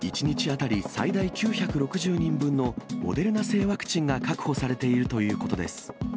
１日当たり最大９６０人分のモデルナ製ワクチンが確保されているということです。